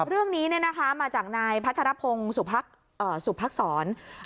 เรื่องนี้นะคะมาจากนายพัทรพงศ์สู่พรรคสอน